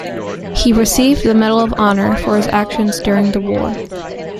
He received the Medal of Honor for his actions during the war.